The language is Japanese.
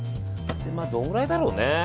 どんくらいだろうね。